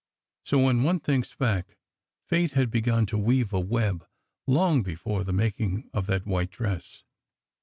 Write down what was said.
So, when one thinks back, Fate had begun to weave a web long before the making of that white dress.